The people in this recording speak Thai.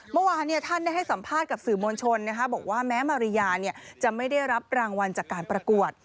เมื่อวานท่านได้ให้สัมภาษณ์กับสื่อมวลชนบอกว่าแม้มาริยาจะไม่ได้รับรางวัลจากการประกวด